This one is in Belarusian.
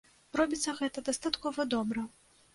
Робіцца гэта дастаткова добра.